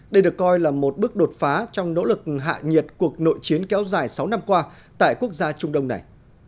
đây được coi là một bước đột phá trong nỗ lực hạ nhiệt cuộc nội chiến kéo dài sáu năm qua tại quốc gia trung đông này